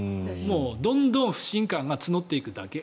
どんどん不信感が募っていくだけ。